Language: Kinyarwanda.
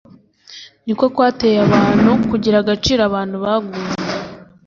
ni ko kwateyabantu kugiragaciro Abantu baguye